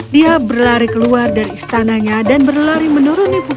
dia berlari keluar dari istananya dan berlari menuruni pupuk